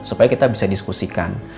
supaya kita bisa diskusikan